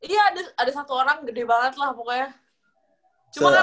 ini ada satu orang gede banget lah pokoknya